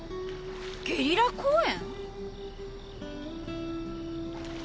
ゲリラ公演！？